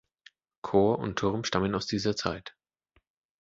Chor und Turm stammen aus dieser Zeit.